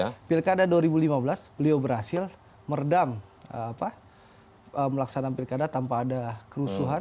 itu pertama kedua pilkada dua ribu lima belas beliau berhasil meredam apa melaksanakan pilkada tanpa ada kerusuhan